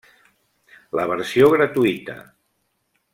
La versió gratuïta.